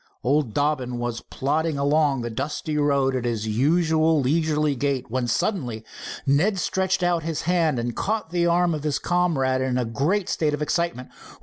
Old Dobbin was plodding along the dusty road at his usual leisurely gait, when suddenly Ned stretched out his hand and caught the arm of his comrade in a great state of excitement.